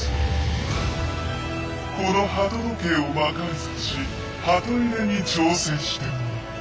この鳩時計を魔改造しハト入れに挑戦してもらう。